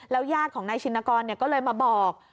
แล้วยาดของนายชินกรก็เลยมาบอก